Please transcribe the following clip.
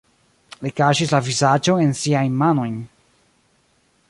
Li kaŝis la vizaĝon en siajn manojn.